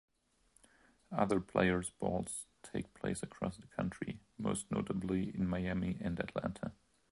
Other Players Balls take place across the country, most notably in Miami and Atlanta.